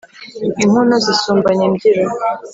Inkono zisumbanya imbyiro